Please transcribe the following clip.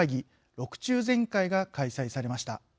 ６中全会が開催されました。